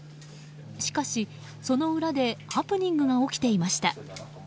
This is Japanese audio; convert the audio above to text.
しかし、その裏でハプニングが起きていました。